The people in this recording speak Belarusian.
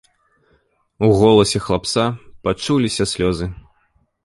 У голасе хлапца пачуліся слёзы.